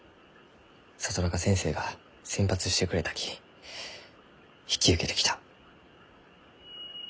里中先生が選抜してくれたき引き受けてきた。